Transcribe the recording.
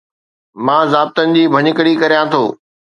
مان ضابطن جي ڀڃڪڙي ڪريان ٿو